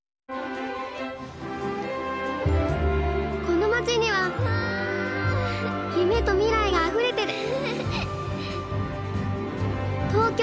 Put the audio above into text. この街には夢と未来があふれてる。